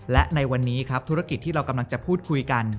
และในวันนี้ครับธุรกิจที่เรากำลังจะพูดคุยกัน